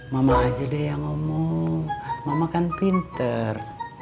mama aja deh yang ngomong mama kan pinter